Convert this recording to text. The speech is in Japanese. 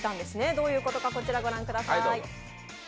どういうことかこちらご覧ください。